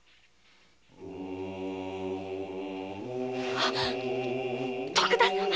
あッ徳田様。